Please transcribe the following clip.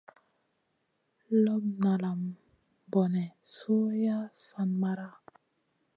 Lop nalam bone su yi san maraʼha?